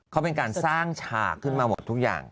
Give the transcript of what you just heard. เขาเป็นการสร้างฉากขึ้นมาหมดทุกอย่าง